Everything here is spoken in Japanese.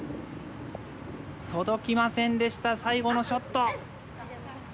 届きませんでした最後のショット。